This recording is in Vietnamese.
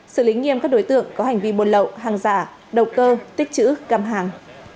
xử lý nghiêm các đối tượng có hành vi buôn lậu hàng giả đầu cơ tích chữ găm hàng